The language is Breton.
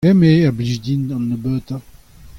hemañ eo a blij din an nebeutañ.